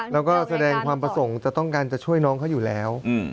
แล้วก็แสดงความประสงค์จะต้องการจะช่วยน้องเขาอยู่แล้ว